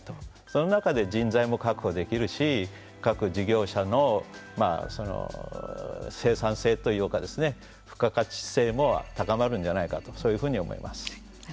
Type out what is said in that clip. その中で人材も確保できるし各事業者の生産性といいますか付加価値性も高まるんじゃないかとありがとうございます。